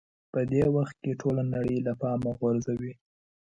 په دې وخت کې ټوله نړۍ له پامه غورځوئ.